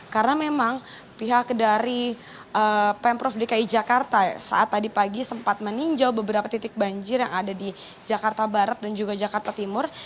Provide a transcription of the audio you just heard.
karena memang pihak dari pemprov dki jakarta saat tadi pagi sempat meninjau beberapa titik banjir yang ada di jakarta barat dan juga jakarta timur